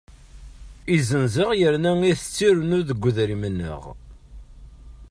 Izzenz-aɣ yerna itett irennu deg wedrim-nneɣ.